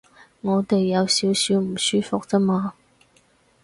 我哋有少少唔舒服啫嘛